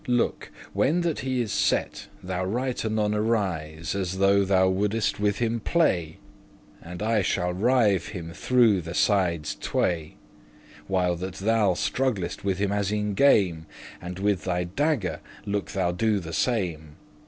Look; when that he is set,* thou right anon *sat down Arise, as though thou wouldest with him play; And I shall rive* him through the sides tway, *stab While that thou strugglest with him as in game; And with thy dagger look thou do the same.